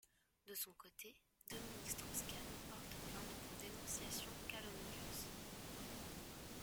De son côté, Dominique Strauss-Kahn porte plainte pour dénonciation calomnieuse.